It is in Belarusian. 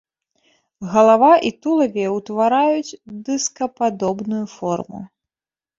Галава і тулаве ўтвараюць дыскападобную форму.